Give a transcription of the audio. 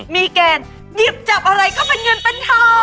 เมษาแน่นอน